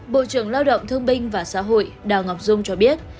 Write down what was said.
bộ trưởng lao động thương binh và xã hội đào ngọc dung cho biết